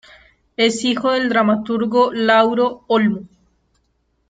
Es hijo del dramaturgo Lauro Olmo.